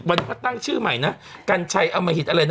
วันนี้เขาตั้งชื่อใหม่นะกัญชัยอมหิตอะไรนะ